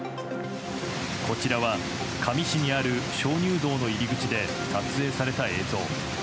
こちらは香美市にある鍾乳洞の入り口で撮影された映像。